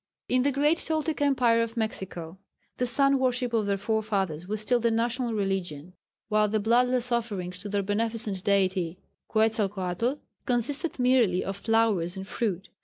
In the great Toltec empire of Mexico the sun worship of their forefathers was still the national religion, while the bloodless offerings to their beneficent Deity, Quetzalcoatl, consisted merely of flowers and fruit.